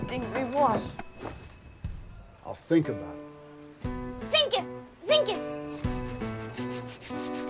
センキューセンキュー。